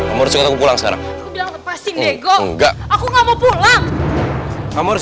aku akan selalu temanin kamu